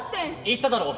「言っただろ。